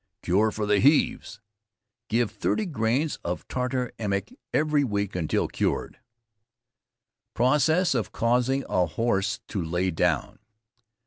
CURE FOR THE HEAVES. Give 30 grains of tartar emetic every week until cured. PROCESS OF CAUSING A HORSE TO LAY DOWN.